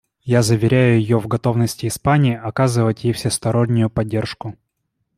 Я заверяю ее в готовности Испании оказывать ей всестороннюю поддержку.